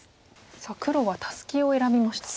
さあ黒はタスキを選びましたね。